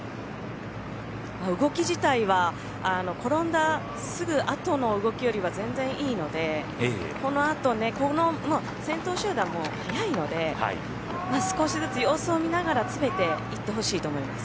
動き自体は転んだすぐ後の動きよりは全然いいのでこの先頭集団も速いので少しずつ様子を見ながら詰めていってほしいと思います。